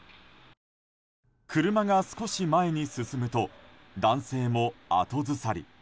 車が少し前に進むと男性も後ずさり。